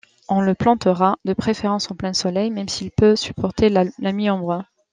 On le plantera de préférence en plein soleil même s'il peut supporter la mi-ombre.